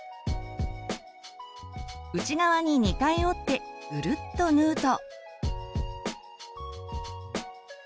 内側に２回折ってぐるっと縫うと。